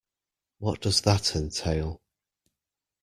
What does that entail?